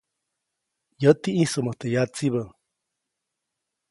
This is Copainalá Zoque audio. Yäti ʼĩjsuʼmät teʼ yatsibä.